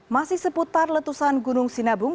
masih seputar letusan gunung sinabung